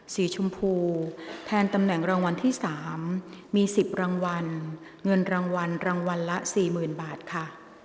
สีชมพูแทนตำแหน่งรางวัลที่๓มี๑๐รางวัลเงินรางวัลรางวัลละ๔๐๐๐บาทค่ะ